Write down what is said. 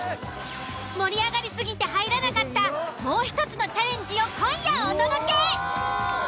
盛り上がりすぎて入らなかったもう１つのチャレンジを今夜お届け！